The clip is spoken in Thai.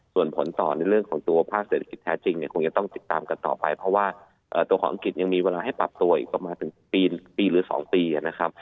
ส่วนผลต่อในเรื่องของตัวภาคเศรษฐกิจแท้จริงเนี่ยคงจะต้องติดตามกันต่อไปเพราะว่าตัวของอังกฤษยังมีเวลาให้ปรับตัวอีกประมาณถึงปีหรือ๒ปีนะครับ